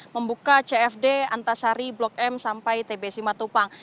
membuka cfd antasari blok m sampai tbs lima tupang